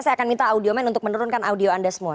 saya akan minta audioman untuk menurunkan audio anda semua